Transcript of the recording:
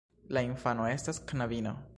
La infano estas knabino.